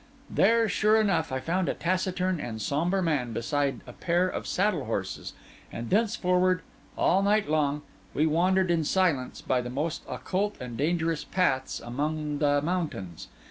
There, sure enough, I found a taciturn and sombre man beside a pair of saddle horses; and thenceforward, all night long, we wandered in silence by the most occult and dangerous paths among the mountains.